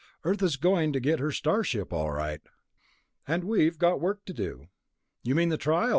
Earth is going to get her star ship, all right." "And we've got work to do." "You mean the trial?